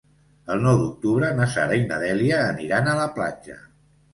El nou d'octubre na Sara i na Dèlia aniran a la platja.